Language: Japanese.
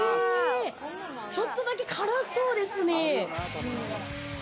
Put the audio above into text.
ちょっとだけ辛そうですね。